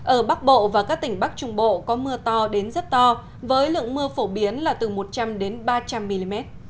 ở bắc bộ và các tỉnh bắc trung bộ có mưa to đến rất to với lượng mưa phổ biến là từ một trăm linh ba trăm linh mm